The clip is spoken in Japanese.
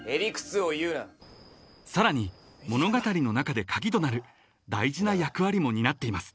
［さらに物語の中で鍵となる大事な役割も担っています］